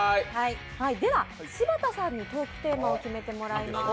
では柴田さんにトークテーマを決めてもらいます。